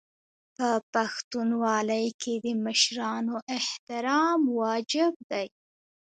په پښتونولۍ کې د مشرانو احترام واجب دی.